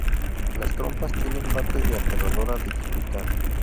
Las "trompas tienen partes de aterradora dificultad".